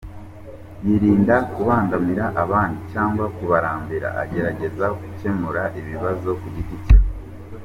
Yirinda kubangamira abandi cyangwa kubarambira, agerageza gukemura ibibazo ku giti cye.